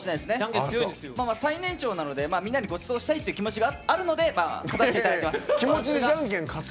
最年長なのでみんなにごちそうしたいっていう気持ちがあるので勝たせていただきます。